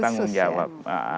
ada beban tanggung jawab